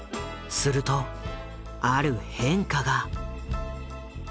するとある変化が。